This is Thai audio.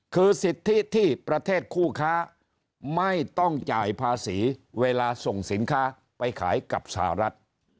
คือสิทธิที่ประเทศคู่ค้าไม่ต้องจ่ายภาษีเวลาส่งสินค้าไปขายกับสหรัฐ